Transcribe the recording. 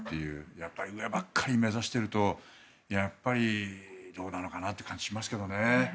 やっぱり上ばっかり目指してるとどうなのかなという感じしますけどね。